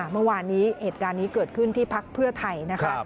เมื่อวานนี้เหตุการณ์นี้เกิดขึ้นที่พักเพื่อไทยนะคะ